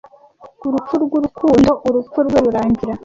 urupfu rwurukundo urupfu rwe rurangira